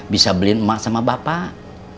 bisa beliin emas sama bapak